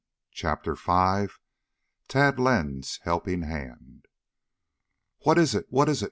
CHAPTER V TAD LENDS HELPING HAND "What is it? What is it?"